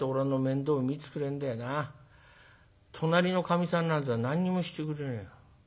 隣のかみさんなんざ何にもしてくれねえよ。